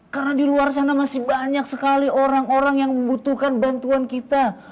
karena diluar sana masih banyak sekali orang orang yang membutuhkan bantuan kita